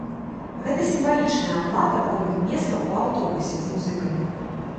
Гэта сімвалічная аплата вольных месцаў у аўтобусе з музыкамі.